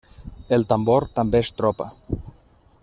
El tambor també és tropa.